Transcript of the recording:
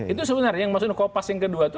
itu sebenarnya yang maksudnya kopas yang kedua itu